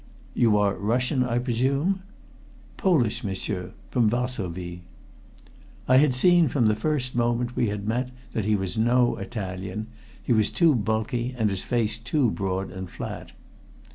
"You are Russian, I presume?" "Polish, m'sieur from Varsovie." I had seen from the first moment we had met that he was no Italian. He was too bulky, and his face too broad and flat.